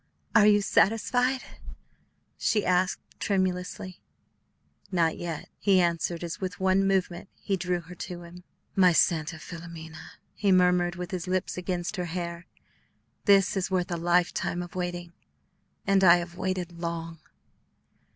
"Are you satisfied?" she asked tremulously. "Not yet," he answered as with one movement he drew her to him. "My Santa Filomena," he murmured with his lips against her hair, "this is worth a lifetime of waiting; and I have waited long."